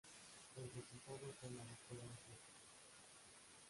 El resultado fue una victoria sueca.